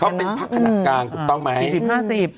เขาเป็นพักขนาดกลางถูกต้องไหม